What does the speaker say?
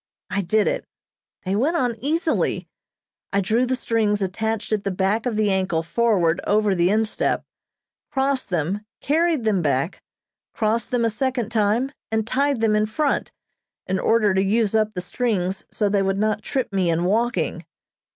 I did it. They went on easily. I drew the strings attached at the back of the ankle forward over the instep, crossed them, carried them back, crossed them a second time and tied them in front, in order to use up the strings so they would not trip me in walking.